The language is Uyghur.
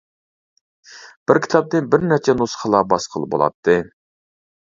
بىر كىتابنى بىرنەچچە نۇسخىلا باسقىلى بولاتتى.